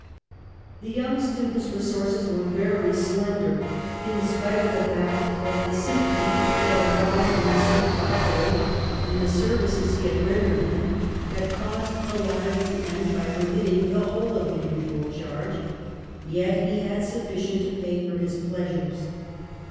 The young student's resources were very slender, in spite of the fact that the sympathy he had aroused in M. Barbet and the services he had rendered him had caused the latter to end by remitting the whole of the usual charge ; yet he had sufficient to pay for his pleasures.